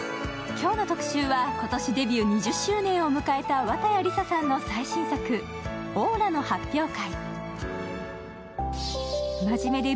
今日の特集は今年デビュー２０周年を迎えた綿矢りささんの最新作「オーラの発表会」。